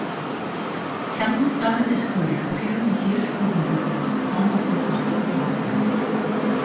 Kellum started his career appearing in theatrical musicals on and off Broadway.